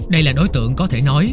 đây là đối tượng có thể nói